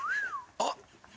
あっ！